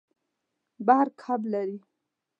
بحر کب لري.